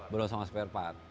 belum sama spare part